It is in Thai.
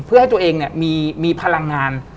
เพื่อให้ตัวเองมีพลังงาน